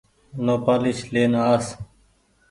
نوپآليس لين آس ۔